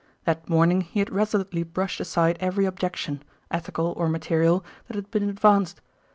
That morning he had resolutely brushed aside every objection, ethical or material, that had been advanced.